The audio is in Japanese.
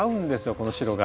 この白が。